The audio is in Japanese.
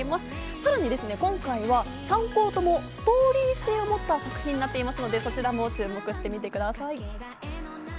さらに今回は３校ともストーリー性を持った作品になっていますので、そちらも注目してみてください。